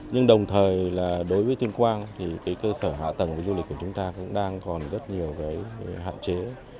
nhưng đồng thời đối với tuyên quang cơ sở hạ tầng du lịch của chúng ta cũng đang còn rất nhiều hạn chế